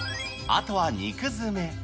あとは肉詰め。